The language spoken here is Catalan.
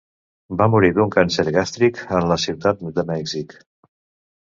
Va morir d'un càncer gàstric en la Ciutat de Mèxic.